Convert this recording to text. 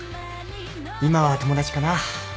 今は友達かな。